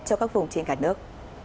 cho các vùng trên cả nước